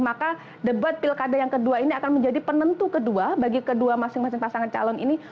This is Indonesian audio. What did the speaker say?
maka debat pilkada yang kedua ini akan menjadi penentu kedua bagi kedua masing masing pasangan calon ini